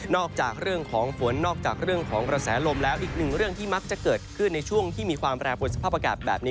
อกจากเรื่องของฝนนอกจากเรื่องของกระแสลมแล้วอีกหนึ่งเรื่องที่มักจะเกิดขึ้นในช่วงที่มีความแปรปวนสภาพอากาศแบบนี้